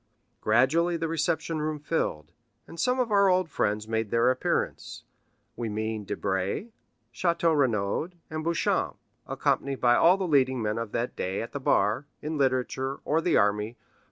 Gradually the reception room filled, and some of our old friends made their appearance—we mean Debray, Château Renaud, and Beauchamp, accompanied by all the leading men of the day at the bar, in literature, or the army, for M.